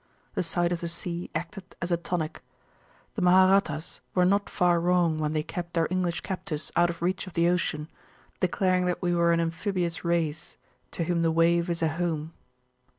The sight of the sea acted as a tonic. The Maharattas were not far wrong when they kept their English captives out of reach of the ocean, declaring that we were an amphibious race, to whom the wave is a home.